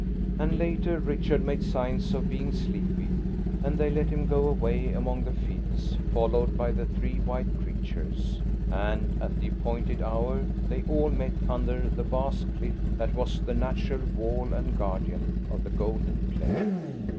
And later Richard made signs of being sleepy, and they let him go away among the fields, followed by the three white creatures. And at the appointed hour they all met under the vast cliff that was the natural wall and guardian of the golden plain.